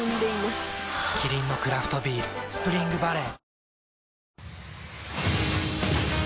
キリンのクラフトビール「スプリングバレー」